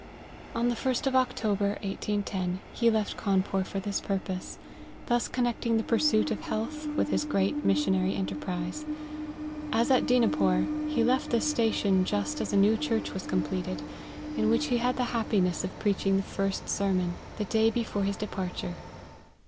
130 LIFE OF HENRY MARTYN. Or the first of October, 1810, he left Cawnpore for this purpose, thus connecting the pursuit of health with his great missionary enterprise. As at Dinapore, he left this station just as a new church was completed, in which he had the hap piness of preaching the first sermon, the day be fore his departure.